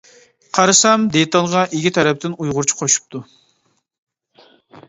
قارىسام دېتالغا ئىگە تەرەپتىن ئۇيغۇرچە قوشۇپتۇ.